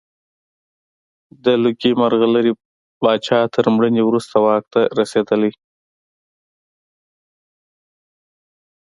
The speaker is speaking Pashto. د لوګي مرغلرې پاچا تر مړینې وروسته واک ته رسېدلی.